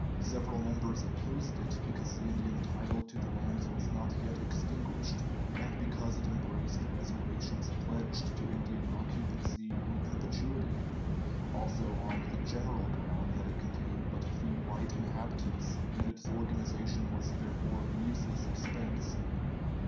Several members opposed it, because the Indian title to the lands was not yet extinguished, and because it embraced reservations pledged to Indian occupancy in perpetuity; also on the general ground that it contained but few white inhabitants, and its organization was therefore a useless expense.